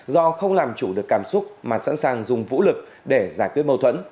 do không làm chủ được cảm xúc mà sẵn sàng dùng vũ lực để giải quyết mâu thuẫn